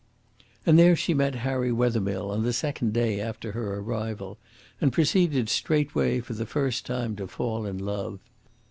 And there she met Harry Wethermill on the second day after her arrival, and proceeded straightway for the first time to fall in love.